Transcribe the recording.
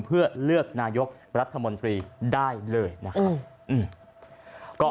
เพื่อเลือกนายกรัฐมนตรีได้เลยนะครับ